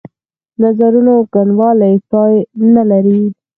نظرونو ګڼوالی پای نه لري.